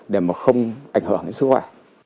để mà không ảnh hưởng đến sức khỏe